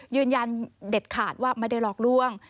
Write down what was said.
ยืนยันเด็ดขาดว่าไม่ได้หลอกล่วง